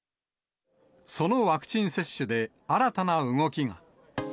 そのワクチン接種で、新たな動きが。